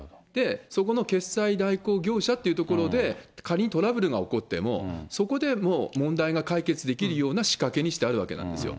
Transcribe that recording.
そこの決済代行業者っていうところで、仮にトラブルが起こっても、そこで問題が解決できるような仕掛けにしてあるわけなんですよ。